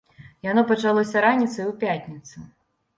Яно пачалося раніцай у пятніцу.